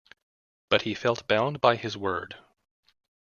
But he felt bound by his word.